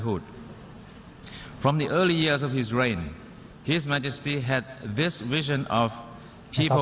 ต่อต้นของวิสัยทัศน์ในการประกาศที่สมบัติภาพ